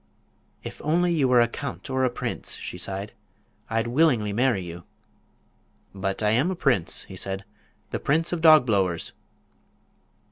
"If only you were a count or a prince," she sighed, "I'd willingly marry you." "But I am a prince," he answered; "the Prince of Dogblowers."